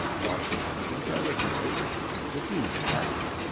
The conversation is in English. '" Ross nodded intelligently. He could do that.